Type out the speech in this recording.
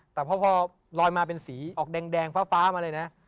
แต่พอลอยมาเป็นสีออกแดงฟ้ามาเลยนะ